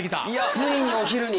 ついにお昼に。